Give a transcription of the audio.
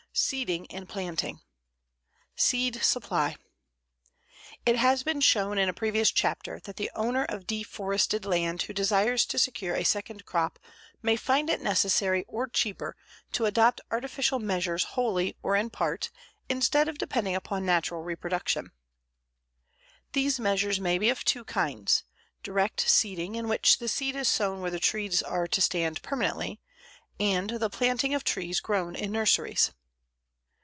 SEEDING AND PLANTING SEED SUPPLY It has been shown in a previous chapter that the owner of deforested land who desires to secure a second crop may find it necessary or cheaper to adopt artificial measures wholly or in part instead of depending upon natural reproduction. These measures may be of two kinds direct seeding, in which the seed is sown where the trees are to stand permanently, and the planting of trees grown in nurseries.